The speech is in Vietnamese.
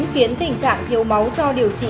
khiến tình trạng thiếu máu cho điều trị